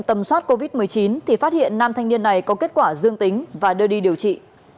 tầm soát covid một mươi chín thì phát hiện nam thanh niên này có kết quả dương tính và đưa đi điều trị